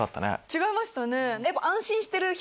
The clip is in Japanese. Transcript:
違いましたね。